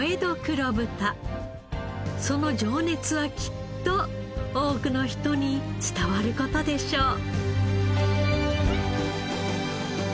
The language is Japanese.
その情熱はきっと多くの人に伝わる事でしょう。